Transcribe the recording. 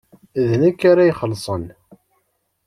D nekk ara ixellṣen.